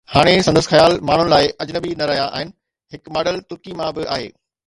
هاڻي سندس خيال ماڻهن لاءِ اجنبي نه رهيا آهن، هڪ ماڊل ترڪي مان به آهي.